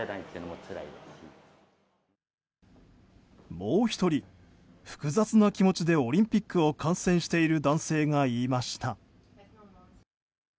もう１人、複雑な気持ちでオリンピックを観戦している男性がいました。